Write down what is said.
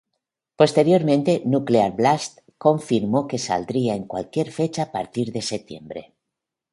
Posteriormente Nuclear Blast confirmó que saldría en cualquier fecha a partir de septiembre.